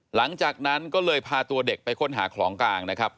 หลังจากนั้นก็เลยพาตัวเด็กไปค้นหาของกลางนะครับ